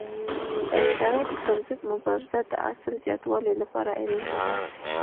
د حشراتو پر ضد مبارزه د حاصل زیاتوالي لپاره اړینه ده.